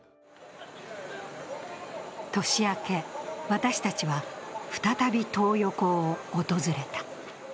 年明け、私たちは再びトー横を訪れた。